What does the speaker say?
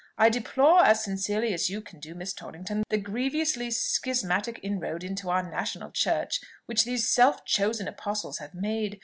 I deplore as sincerely as you can do, Miss Torrington, the grievously schismatic inroad into our national church which these self chosen apostles have made.